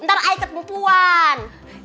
sama i kepupuan